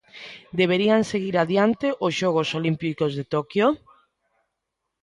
Deberían seguir adiante os xogos olímpicos de Toquio?